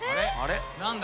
何だ？